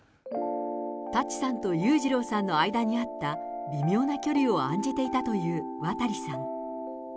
舘さんと裕次郎さんの間にあった、微妙な距離を案じていたという渡さん。